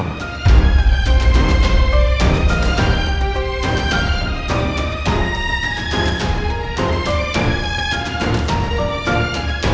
kedua kali kemudian